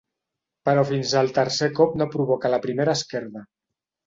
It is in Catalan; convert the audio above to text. Però fins al tercer cop no provoca la primera esquerda.